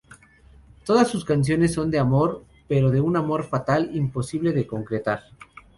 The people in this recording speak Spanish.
Todas sus canciones son de amor; pero de un amor fatal, imposible de concretar.